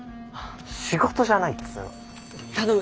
仕事じゃないっつーの。